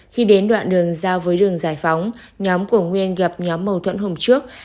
khi đến đoạn đường giao với đường giải phóng nhóm của nguyên gặp nhóm mâu thuẫn hôm trước